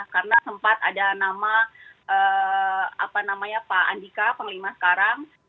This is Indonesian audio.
karena sempat ada nama pak andika penglima sekarang